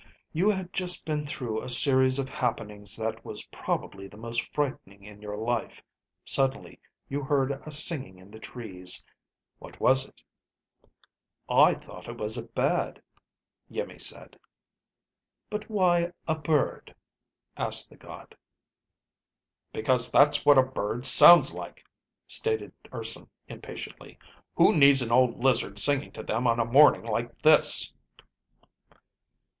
You had just been through a series of happenings that was probably the most frightening in your life. Suddenly you heard a singing in the trees. What was it?" "I thought it was a bird," Iimmi said. "But why a bird?" asked the god. "Because that's what a bird sounds like," stated Urson impatiently. "Who needs an old lizard singing to them on a morning like this?"